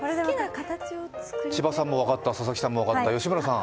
千葉さんも分かった、佐々木さんも分かった、吉村さん。